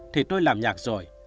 thì tôi làm nhạc rồi